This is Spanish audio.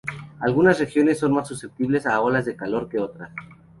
Algunas regiones son más susceptibles a olas de calor que otras.